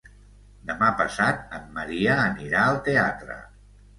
Demà passat en Maria anirà al teatre.